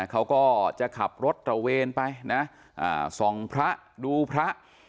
เขาก็จะขับรถตระเวนไปนะส่องพระดูพระ